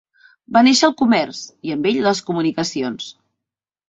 Va néixer el comerç, i amb ell les comunicacions.